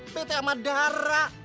bete sama dara